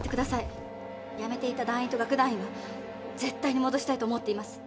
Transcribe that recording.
やめていった団員と楽団員は絶対に戻したいと思っています。